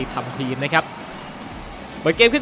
สนามโรงเรียนสมุทรสาคอนวุฒิชัย